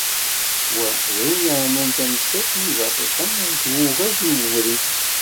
Wa d ayen iεnan tamsalt n yibaxixen d twuɣa n ubrid.